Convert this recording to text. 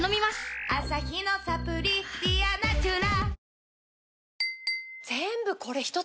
アサヒのサプリ「ディアナチュラ」